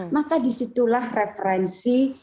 maka disitulah referensi